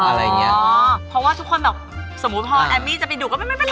เพราะว่าทุกคนสมมุติพอแอมมี่จะไปดูเทียบ